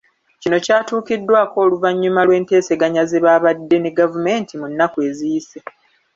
Kino kyatuukiddwako oluvannyuma lw'enteeseganya ze baabadde ne gavumenti munaku eziyise.